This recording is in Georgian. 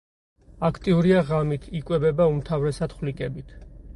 აქტიურია ღამით იკვებება უმთავრესად ხვლიკებით.